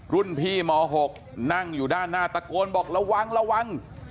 รุ่นพี่ม๖นั่งอยู่ด้านหน้าตะโกนบอกระวังระวัง